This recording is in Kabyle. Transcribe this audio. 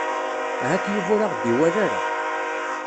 Ahat Yuba ur aɣ-d-iwala ara.